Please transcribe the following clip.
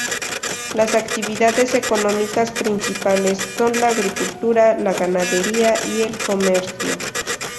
Las actividades económicas principales son la agricultura, la ganadería y el comercio.